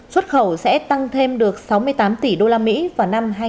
xuất khẩu sẽ tăng thêm được sáu mươi tám tỷ usd vào năm hai nghìn hai mươi